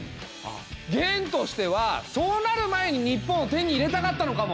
元としてはそうなる前に日本を手に入れたかったのかも！